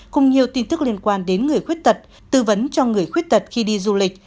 cùng nhiều tin tức liên quan đến người khuyết tật tư vấn cho người khuyết tật khi đi du lịch